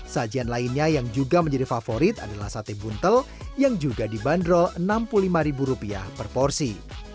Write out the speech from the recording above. sajian lainnya yang juga menjadi favorit adalah sate buntel yang juga dibanderol rp enam puluh lima per porsi